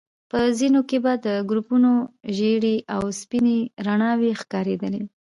په ځينو کې به د ګروپونو ژيړې او سپينې رڼاوي ښکارېدلې.